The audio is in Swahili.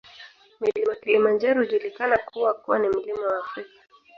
Mlima Kilimanjaro hujulikana kuwa kuwa ni mlima wa Afrika